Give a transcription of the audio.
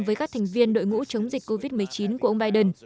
với các thành viên đội ngũ chống dịch covid một mươi chín của ông biden